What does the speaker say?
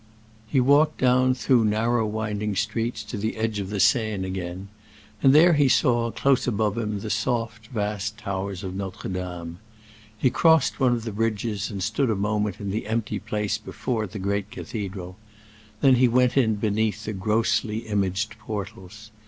He walked down through narrow, winding streets to the edge of the Seine again, and there he saw, close above him, the soft, vast towers of Notre Dame. He crossed one of the bridges and stood a moment in the empty place before the great cathedral; then he went in beneath the grossly imaged portals.